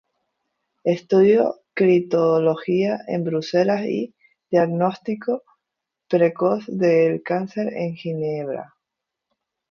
Estudió Citología en Bruselas y Diagnóstico precoz del cáncer en Ginebra.